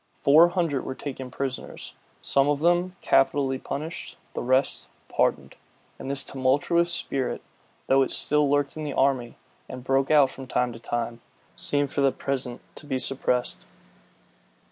Four hundred were taken prisoners; some of them capitally punished, the rest pardoned. And this tumultuous spirit, though it still lurked in the army, and broke, out from time to time, seemed for the present to be suppressed.